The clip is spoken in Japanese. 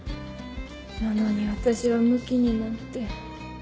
なのに私はムキになって。